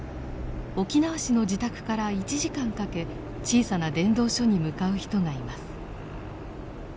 沖縄市の自宅から１時間かけ小さな伝道所に向かう人がいます。